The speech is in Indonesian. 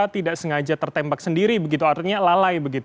tidak sengaja tertembak sendiri artinya lalai